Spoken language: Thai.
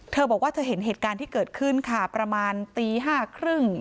เธอบอกว่าเธอเห็นเหตุการณ์ที่เกิดขึ้นค่ะประมาณตีห้าครึ่ง